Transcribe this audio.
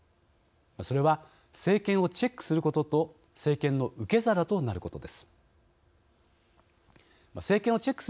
それは政権をチェックすることと政権の受け皿となることです。